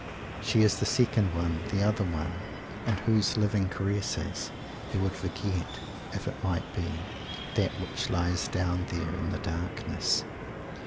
She is the Second One, the Other One, in whose living caresses he would forget, if it might be, that which lies down there in the darkness!